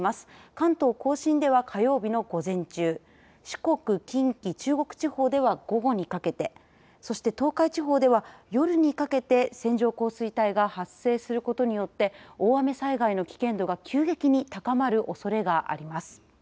関東甲信では火曜日の午前中、四国、近畿、中国地方では午後にかけて、そして東海地方では夜にかけて線状降水帯が発生することによって大雨災害の危険度が急激に高まるおそれがあります。